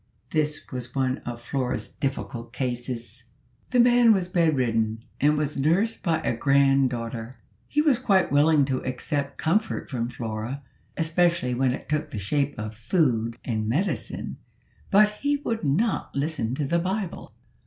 This was one of Flora's difficult cases. The man was bed ridden, and was nursed by a grand daughter. He was quite willing to accept comfort from Flora, especially when it took the shape of food and medicine; but he would not listen to the Bible.